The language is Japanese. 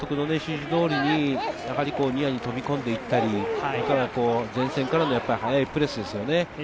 監督の指示通りにニアに飛び込んでいったり、前線からの速いプレスですね。